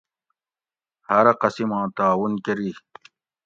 ہارہ قسماں تعاون کۤری